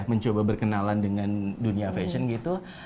mencoba berkenalan dengan dunia fashion gitu